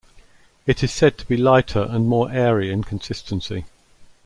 It is said to be lighter and more airy in consistency.